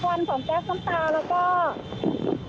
เพราะตอนนี้ก็ไม่มีเวลาให้เข้าไปที่นี่